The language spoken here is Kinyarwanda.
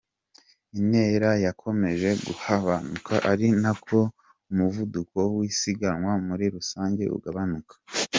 Intera yakomeje kugabanuka ari nako umuvuduko w’usiganwa muri rusange ugabanuka.